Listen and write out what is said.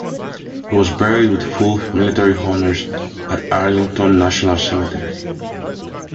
He was buried with full military honors at Arlington National Cemetery.